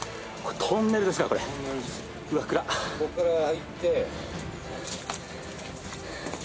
ここから入って。